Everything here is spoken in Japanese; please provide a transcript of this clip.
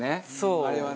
あれはね。